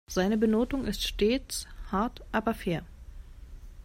Seine Benotung ist stets hart aber fair.